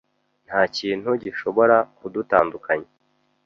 Ntakintu gishobora kudutandukanya.